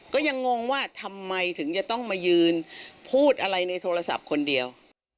ก็ยังงงว่าทำไมถึงจะต้องมายืนพูดอะไรในโทรศัพท์คนเดียว